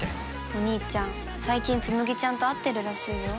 お兄ちゃん、最近紬ちゃんと会ってるらしいよ。